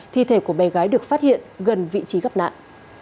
thi thể của bé gái được phát hiện gần vị trí gặp nạn